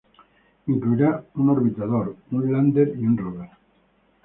Incluirá un orbitador, un lander y un rover.